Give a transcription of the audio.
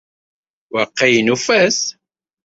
Waqil nufa-t.